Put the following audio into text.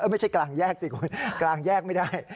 ไม่ใช่กลางแยกสิคุณกลางแยกไม่ได้